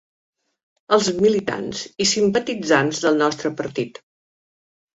Els militants i simpatitzants del nostre partit.